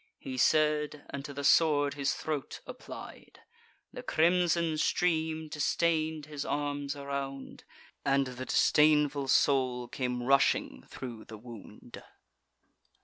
He said, and to the sword his throat applied. The crimson stream distain'd his arms around, And the disdainful soul came rushing thro' the wound.